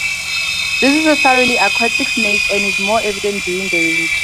This is a thoroughly aquatic snake, and is more evident during the rains.